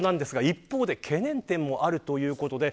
一方で、懸念点もあるということです。